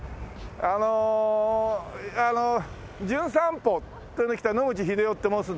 あの『じゅん散歩』っていうので来た野口英世って申すんで。